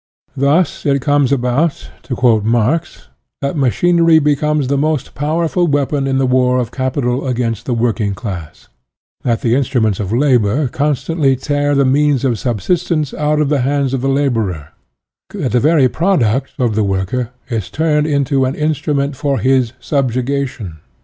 Thus it comes about, to quote Marx, that ma chinery becomes the most powerful weapon in the war of capital against the working class ; that the instruments of labor con stantly tear the means of subsistence out of the hands of the laborer; that the very product of the worker is turned into an instrument for his subjugation.